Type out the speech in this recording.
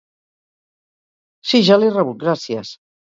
Si, ja l'he rebut gràcies.